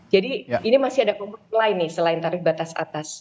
jadi ini masih ada komponen lain nih selain tarif batas atas